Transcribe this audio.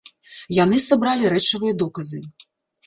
Яны сабралі рэчавыя доказы.